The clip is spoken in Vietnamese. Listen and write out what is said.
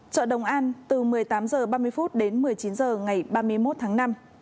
chợ đồng an từ một mươi tám h ba mươi đến một mươi chín h ngày ba mươi một tháng năm